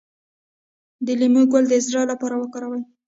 د لیمو ګل د زړه لپاره وکاروئ